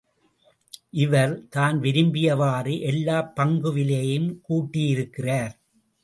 இவர், தான் விரும்பியவாறு எல்லாப் பங்கு விலையையும் கூட்டியிருக்கிறார்.